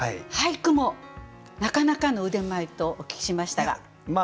俳句もなかなかの腕前とお聞きしましたが。